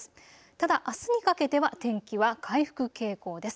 ただあすにかけては天気は回復傾向です。